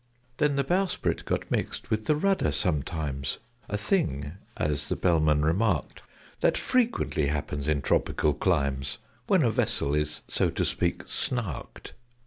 Then the bowsprit got mixed with the rudder sometimes: A thing, as the Bellman remarked, That frequently happens in tropical climes, When a vessel is, so to speak, "snarked."